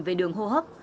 về đường hô hấp